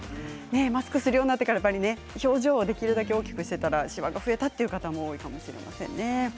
マスクをするようになってから表情をできるだけ大きくしていたら、しわが増えたという方も多いかもしれません。